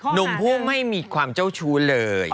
หนุ่มผู้ไม่มีความเจ้าชู้เลย